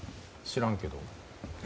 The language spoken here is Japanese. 知らんけど。